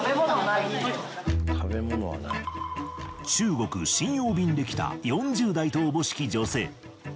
中国瀋陽便で来た４０代とおぼしき女性。